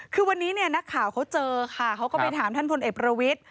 คือวันนี้เนี่ยนักข่าวเขาเจอค่ะเขาก็ไปถามท่านพลเอกประวิทธิ